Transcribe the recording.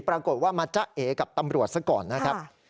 ปรากฏว่ามาจ๊ะเอกับตำรวจซะก่อนนะครับ